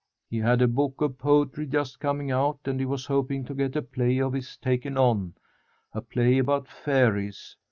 He had a book of poetry just coming out and he was hoping to get a play of his taken on, a play about fairies.